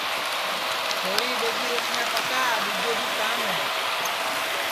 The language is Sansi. چھوری ٻیگی روٹیاں پکا دؔوجے بی کام ہے